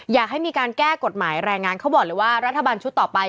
อยากให้มีการแก้กฎหมายแรงงานเขาบอกเลยว่ารัฐบาลชุดต่อไป